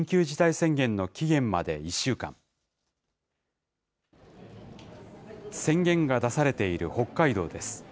宣言が出されている北海道です。